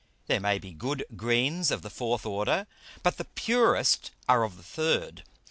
There may be good Greens of the fourth Order, but the purest are of the third.